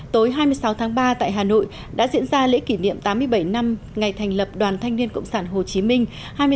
tối hai mươi sáu tháng ba tại hà nội đã diễn ra lễ kỷ niệm tám mươi bảy năm ngày thành lập đoàn thanh niên cộng sản hồ chí minh